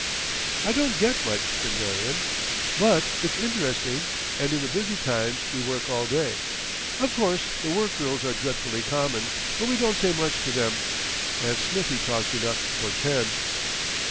"I don't get much," said Marion, "but it's interesting, and in the busy times we work all day. Of course the workgirls are dreadfully common, but we don't say much to them. And Smithie talks enough for ten."